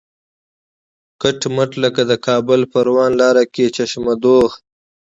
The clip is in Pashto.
کټ مټ لکه د کابل پروان لاره کې چشمه دوغ.